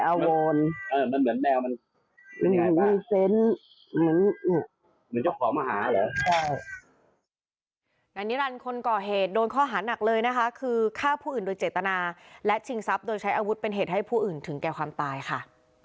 นายนิรันดิ์คนก่อเหตุโดนข้อหานักเลยนะคะคือฆ่าผู้อื่นโดยเจตนาและชิงทรัพย์โดยใช้อาวุธเป็นเหตุให้ผู้อื่นถึงแก่ความตายค่ะ